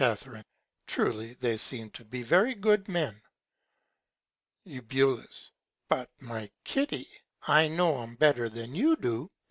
Truly they seem to me to be very good Men. Eu. But, my Kitty, I know 'em better than you do.